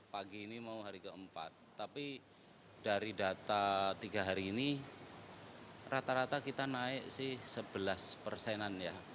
pagi ini mau hari keempat tapi dari data tiga hari ini rata rata kita naik sih sebelas persenan ya